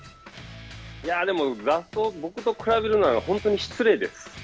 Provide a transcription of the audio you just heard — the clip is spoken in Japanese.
でも雑草僕と比べるのは本当に失礼です。